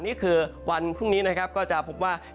นี่คือวันพรุ่งนี้นะครับก็จะพบว่า